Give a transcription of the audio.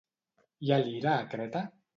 Hi ha lira a Creta?